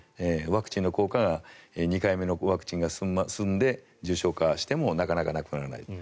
ワクチンの効果が２回目のワクチンが進んで重症化してもなかなか亡くならない。